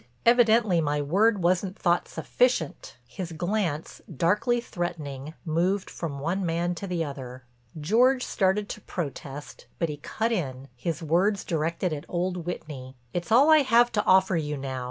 Evidently my word wasn't thought sufficient." His glance, darkly threatening, moved from one man to the other. George started to protest, but he cut in, his words directed at old Whitney: "It's all I have to offer you now.